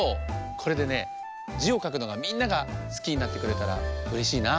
これでね「じ」をかくのがみんながすきになってくれたらうれしいな。